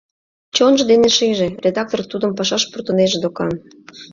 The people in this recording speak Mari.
Чонжо дене шиже: редактор тудым пашаш пуртынеже докан.